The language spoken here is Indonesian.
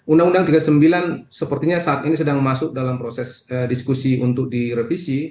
undang undang tiga puluh sembilan sepertinya saat ini sedang masuk dalam proses diskusi untuk direvisi